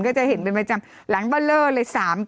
ก็จะเห็นประมาณจรรมหลังบะเลอร์เลยสามชั้น